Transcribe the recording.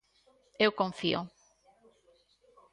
Eu confío.